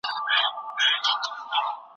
که چا وويل طلاق ملاق پر ما فرق نکوي، دا کفر دی